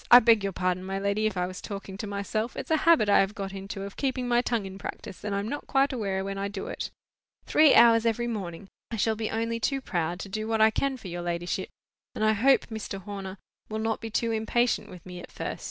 I beg your pardon, my lady, if I was talking to myself; it's a habit I have got into of keeping my tongue in practice, and I am not quite aware when I do it. Three hours every morning! I shall be only too proud to do what I can for your ladyship; and I hope Mr. Horner will not be too impatient with me at first.